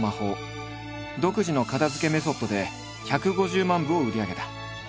独自の片づけメソッドで１５０万部を売り上げた。